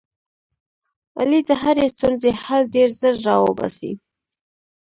علي د هرې ستونزې حل ډېر زر را اوباسي.